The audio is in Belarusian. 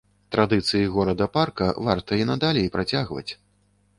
Традыцыі горада-парка варта і надалей працягваць!